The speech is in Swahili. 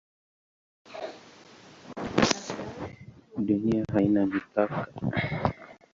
Dunia haina mipaka?